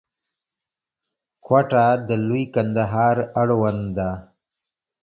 کوټه د لوی کندهار اړوند ده.